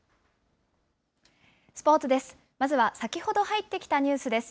スポーツです。